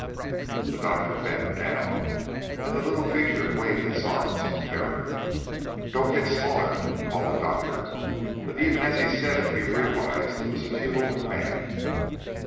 The Doctor bent down, and the little figure waved its arms in terror. "Don't get smaller," called the Doctor. But even as he said it, he realized it was a futile command.